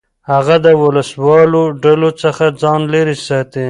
هغه د وسلهوالو ډلو څخه ځان لېرې ساتي.